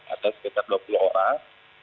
atau sekitar dua puluh orang